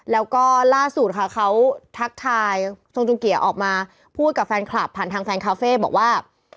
แล้วก็ล่าสุดค่ะเขาทักทายทรงจุงเกียร์ออกมาพูดกับแฟนคลับผ่านทางแฟนคาเฟ่บอกว่า